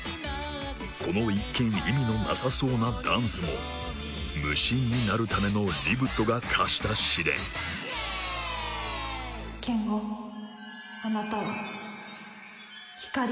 この一見意味のなさそうなダンスも無心になるためのリブットが課した試練ユザレ：